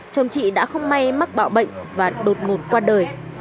chồng chị đã không may mắc bạo bệnh và đột ngột qua đời